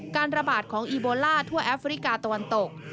การระบาดของอีโบล่าทั่วแอฟริกาตะวันตก